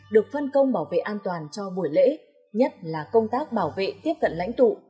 được phân công bảo vệ an toàn cho buổi lễ nhất là công tác bảo vệ tiếp cận lãnh tụ